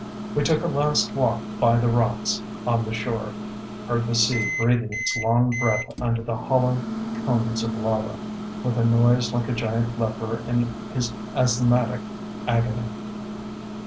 We took a last walk by the rocks on the shore; heard the sea breathing its long breath under the hollow cones of lava, with a noise like a giant leper in his asthmatic agony.